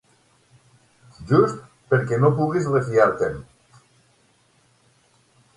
Just perquè no puguis refiar-te'n